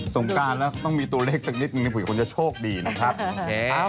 สงคราแล้วต้องมีตัวเลขสักนิดหนึ่งมีคนจะโชคดีนะครับ